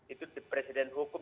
itu presiden hukum